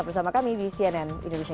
apa saja kendala yang di alami orang indonesia